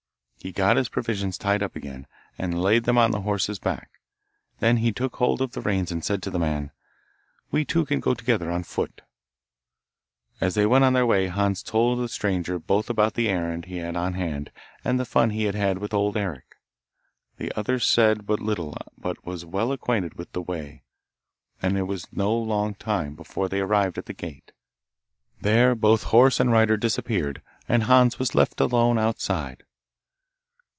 He got his provisions tied up again, and laid them on the horse's back; then he took hold of the reins and said to the man, 'We two can go along together on foot.' As they went on their way Hans told the stranger both about the errand he had on hand and the fun he had had with Old Eric. The other said but little but he was well acquainted with the way, and it was no long time before they arrived at the gate. There both horse and rider disappeared, and Hans was left alone outside.